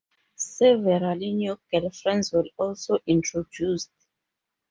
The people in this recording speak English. Several new girlfriends were also introduced.